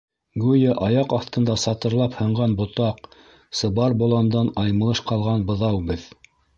Гүйә аяҡ аҫтында сатырлап һынған ботаҡ, сыбар боландан аймылыш ҡалған быҙау беҙ.